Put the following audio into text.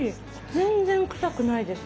全然臭くないです。